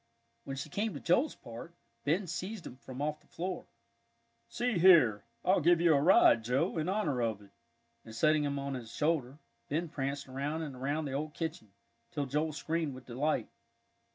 When she came to Joel's part, Ben seized him from off the floor. "See here, I'll give you a ride, Joe, in honor of it," and setting him on his shoulder, Ben pranced around and around the old kitchen, till Joel screamed with delight.